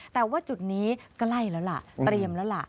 แต่ว่าจุดนี้ใกล้แล้วล่ะเตรียมแล้วล่ะ